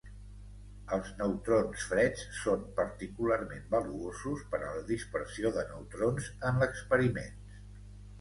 Els neutrons freds són particularment valuosos per a la dispersió de neutrons en experiments.